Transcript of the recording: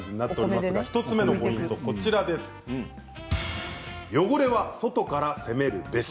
１つ目のポイント汚れは外から攻めるべし。